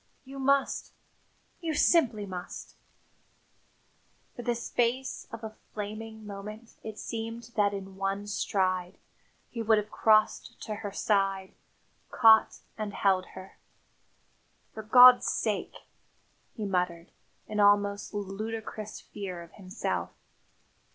You must! You simply must." For the space of a flaming moment it seemed that in one stride he would have crossed to her side, caught and held her. "For God's sake !" he muttered, in almost ludicrous fear of himself.